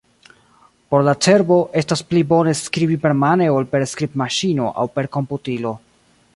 Por la cerbo, estas pli bone skribi permane ol per skribmaŝino aŭ per komputilo.